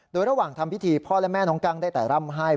โดยระหว่างทำพิธีพ่อและแม่น้องกั้งได้แต่ร่ำให้